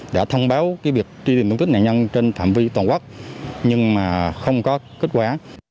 đã thông báo việc tri tìm tung tích nạn nhân trên phạm vi toàn quốc nhưng mà không có kết quả